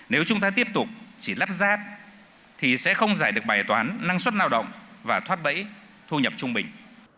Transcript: nếu chúng ta tiếp tục chỉ lắp ráp thì sẽ không giải được bài toán năng suất lao động và thoát bẫy thu nhập trung bình